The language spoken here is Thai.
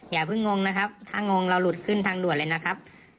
อย่าเพิ่งงงนะครับถ้างงเราหลุดขึ้นทางด่วนเลยนะครับ